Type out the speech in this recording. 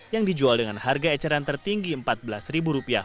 yang dijual dengan harga eceran tertinggi empat belas ribu rupiah